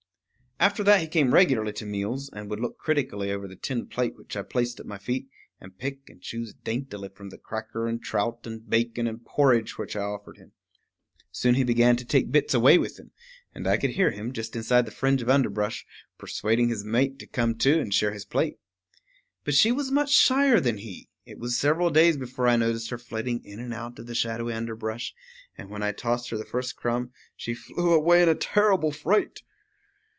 After that he came regularly to meals, and would look critically over the tin plate which I placed at my feet, and pick and choose daintily from the cracker and trout and bacon and porridge which I offered him. Soon he began to take bits away with him, and I could hear him, just inside the fringe of underbrush, persuading his mate to come too and share his plate. But she was much shyer than he; it was several days before I noticed her flitting in and out of the shadowy underbrush; and when I tossed her the first crumb, she flew away in a terrible fright.